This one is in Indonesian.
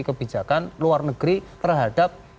kebijakan luar negeri terhadap